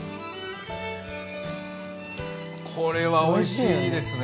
これはおいしいですね。